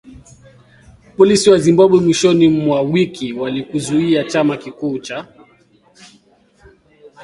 Polisi wa Zimbabwe mwishoni mwa wiki walikizuia chama kikuu cha